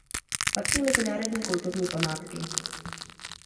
Patří mezi národní kulturní památky.